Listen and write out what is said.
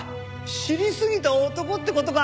知りすぎた男って事か！